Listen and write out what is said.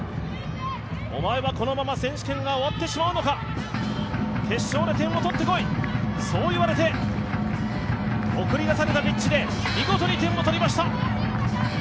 お前はこのまま選手権が終わってしまうのか決勝で点を取ってこい、そう言われて送り出されたピッチで見事に点を取りました。